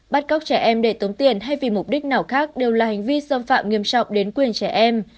bắt cóc trẻ em để tống tiền hay vì mục đích nào khác đều là hành vi xâm phạm nghiêm trọng đến quyền trẻ em